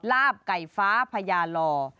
ลาบไก่ฟ้าพญาลอ